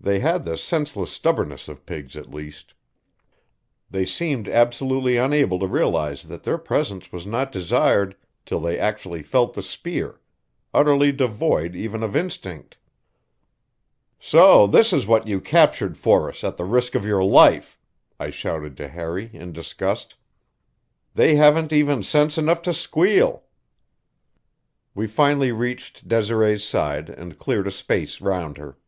They had the senseless stubbornness of pigs, at least. They seemed absolutely unable to realize that their presence was not desired till they actually felt the spear utterly devoid even of instinct. "So this is what you captured for us at the risk of your life!" I shouted to Harry in disgust. "They haven't even sense enough to squeal." We finally reached Desiree's side and cleared a space round her.